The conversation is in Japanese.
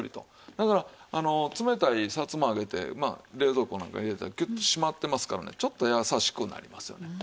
だから冷たいさつまあげってまあ冷蔵庫なんかに入れたらキュッと締まってますからねちょっと優しくなりますよね。